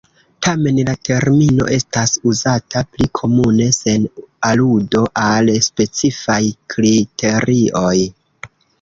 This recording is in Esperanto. Tamen la termino estas uzata pli komune sen aludo al specifaj kriterioj.